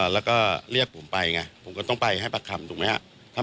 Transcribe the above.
แล้วก็เรียกผมไปไงผมก็ต้องไปให้ประคำถูกไหมครับ